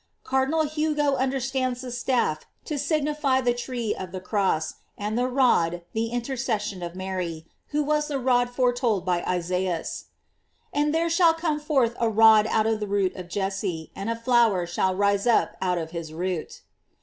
"* Cardinal Hugo understands the staff to signify the tree of the Cross, and the rod the intercession of Mary, who was the rod foretold by Isaias: "And there shall come forth a rod out of the root of Jesse, and a flower shall rise up out of hia root."